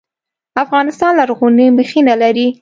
افغانستان لرغوني مخینه لري